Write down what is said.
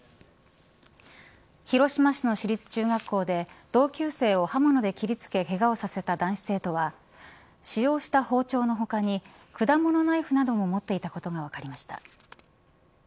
広島市の市立中学校で同級生を刃物で切り付けけがをさせた男子生徒は使用した包丁の他に果物ナイフなども持ってたことが分かりました。